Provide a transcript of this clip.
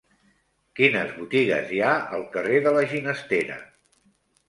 Quines botigues hi ha al carrer de la Ginestera?